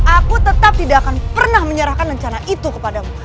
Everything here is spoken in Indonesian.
aku tidak akan pernah menyerahkan lancana itu kepadamu